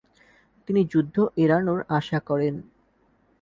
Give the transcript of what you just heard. তিনি যুদ্ধ এড়ানোর আশা করেন।